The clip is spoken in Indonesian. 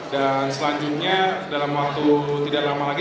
dan selanjutnya dalam waktu tidak lama lagi